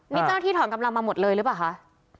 นี่เจ้าหน้าที่ถอนกำลังมาหมดเลยหรือเปล่าคะ